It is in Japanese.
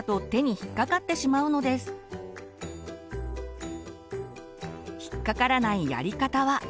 引っかからないやり方は。